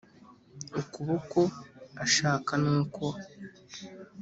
Ukuboko ashaka ni uko